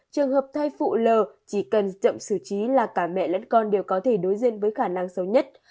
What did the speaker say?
trường hợp thai phụ l chỉ cần dậm sử trí là cả mẹ lẫn con đều có thể đối diện với khả năng xấu nhất